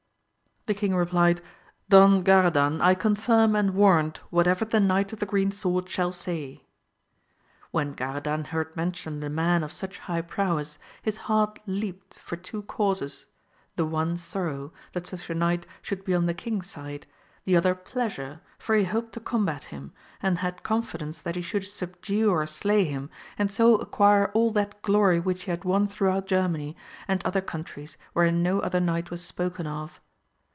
The king replied, Don Garadan, I confirm and warrant whatever the Knight of the Green Sword shall say. When Garadan heard mention the man of such high prowess, his heart leaped for two causes, the one sorrow, that such a knight should be on the king's side, the other pleasure, for he hoped to combat him, and had confidence that he should subdue or slay AMADIS OF GAUL, 245 him, and so acquire all that glory which he had won throughout Germany, and other countries wherein no other knight was spoken of.